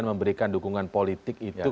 memberikan dukungan politik itu